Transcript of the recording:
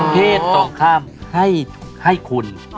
เพศตรงข้ามให้คุณ